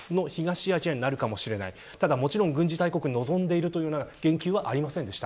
もちろん軍事大国、望んでいるというような言及はありませんでした。